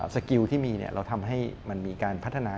สกิลที่มีเราทำให้มันมีการพัฒนา